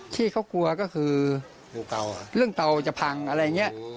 ที่เขากลัวก็คือเรื่องเตาอ่ะเรื่องเตาจะพังอะไรเงี้ย